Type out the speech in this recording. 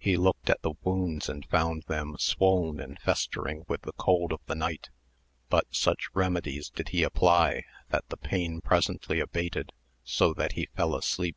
He looked at the wounds and found them swoln and festering with the cold of the night, but such remedies did he apply that the pain presently abated, so that he fell asleep.